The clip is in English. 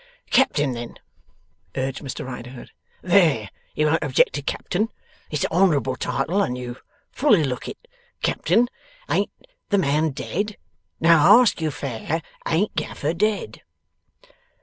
'Captain, then,' urged Mr Riderhood; 'there! You won't object to Captain. It's a honourable title, and you fully look it. Captain! Ain't the man dead? Now I ask you fair. Ain't Gaffer dead?